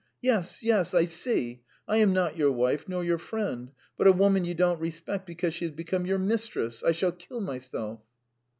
"Yes, yes, I see: I am not your wife nor your friend, but a woman you don't respect because she has become your mistress. ... I shall kill myself!"